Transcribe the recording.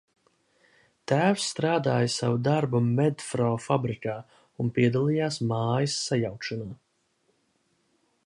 "Tēvs strādāja savu darbu "Medfro" fabrikā un piedalījās mājas sajaukšanā."